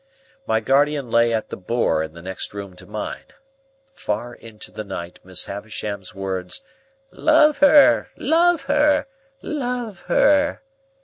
My guardian lay at the Boar in the next room to mine. Far into the night, Miss Havisham's words, "Love her, love her, love her!"